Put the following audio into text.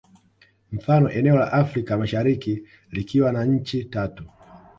Mfano eneo la Afrika Mashariki likiwa na nchi tatu